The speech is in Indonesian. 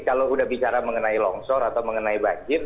kalau udah bicara mengenai longsor atau mengenai banjir